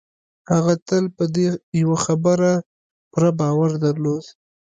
هغه تل په دې يوه خبره پوره باور درلود.